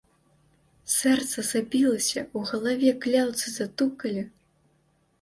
Сэрца забілася, у галаве кляўцы затукалі.